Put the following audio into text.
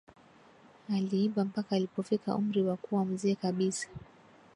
Aliimba mpaka alipofika umri wa kuwa mzee kabisa